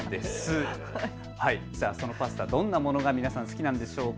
そのパスタ、どんなものが皆さん好きなんでしょうか。